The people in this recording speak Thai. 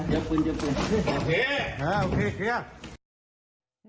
แล้วอ่ะ